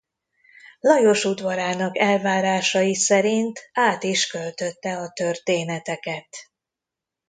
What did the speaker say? Lajos udvarának elvárásai szerint át is költötte a történeteket.